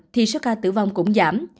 thì số ca tử vong cũng giảm